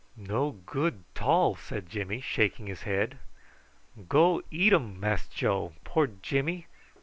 "No good 't all," said Jimmy, shaking his head. "Go eat um, Mass Joe, poor Jimmy.